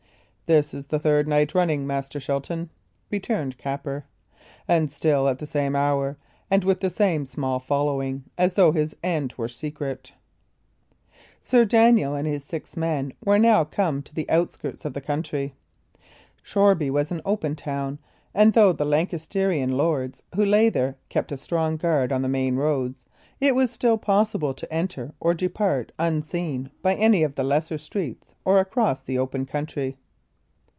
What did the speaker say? "This is the third night running, Master Shelton," returned Capper, "and still at the same hour and with the same small following, as though his end were secret." Sir Daniel and his six men were now come to the outskirts of the country. Shoreby was an open town, and though the Lancastrian lords who lay there kept a strong guard on the main roads, it was still possible to enter or depart unseen by any of the lesser streets or across the open country.